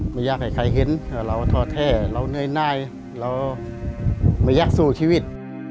ไม่อยากให้ใครเห็นว่าเราท้อแท้เราเหนื่อยเราไม่อยากสู้ชีวิต